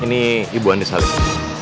ini ibu andis halim